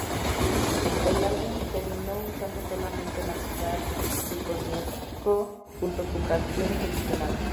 El álbum terminó usando solamente la mitad de Konietzko, junto con canciones adicionales.